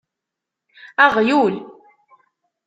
Aɣyul!